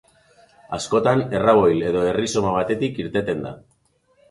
Askotan erraboil edo errizoma batetik irteten da.